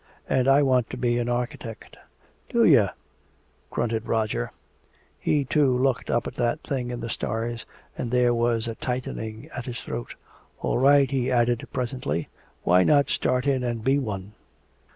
And I want to be an architect." "Do, eh," grunted Roger. He, too, looked up at that thing in the stars, and there was a tightening at his throat. "All right," he added, presently, "why not start in and be one?"